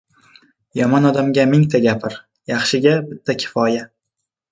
yomon odamga mingta gapir, yaxshiga bitta kifoya.